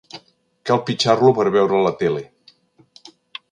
Cal pitjar-lo per veure la tele.